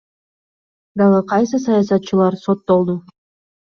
Дагы кайсы саясатчылар соттолду?